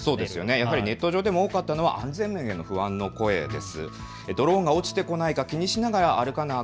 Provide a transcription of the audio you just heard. やはりネット上でも多かったのは安全面への不安の声です。